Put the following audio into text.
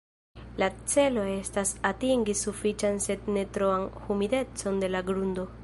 La celo estas atingi sufiĉan sed ne troan humidecon de la grundo.